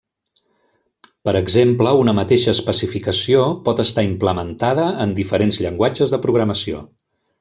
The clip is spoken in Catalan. Per exemple una mateixa especificació pot estar implementada en diferents llenguatges de programació.